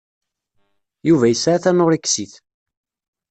Yuba yesɛa tanuṛiksit.